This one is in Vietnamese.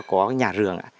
có nhà rường